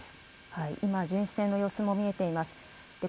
今、巡視船の様子も見えています。